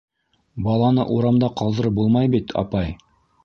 —Баланы урамда ҡалдырып булмай бит, апай.